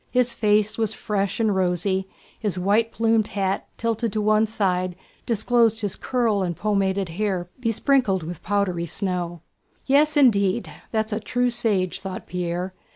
His face was fresh and rosy, his white plumed hat, tilted to one side, disclosed his curled and pomaded hair besprinkled with powdery snow. "Yes, indeed, that's a true sage," thought Pierre.